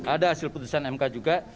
ada hasil putusan mk juga